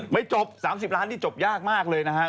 ไม่จบ๓๐ล้านนี่จบยากมากเลยนะฮะ